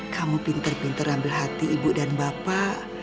kamu pinter pinter ambil hati ibu dan bapak